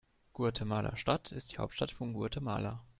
Guatemala-Stadt ist die Hauptstadt von Guatemala.